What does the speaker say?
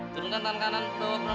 turunkan tangan kanan